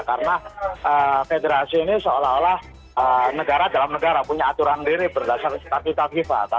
karena federasi ini seolah olah negara dalam negara punya aturan diri berdasarkan stati takiva